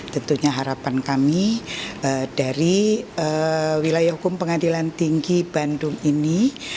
tentunya harapan kami dari wilayah hukum pengadilan tinggi bandung ini